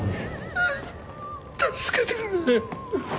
うぅ助けてくれ。